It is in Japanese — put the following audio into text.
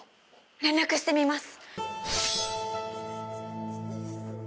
連絡してみます。